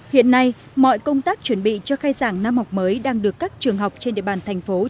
hiện nay mọi công tác chuẩn bị cho khai sản năm học mới đang được các trường học trên địa bàn tp hcm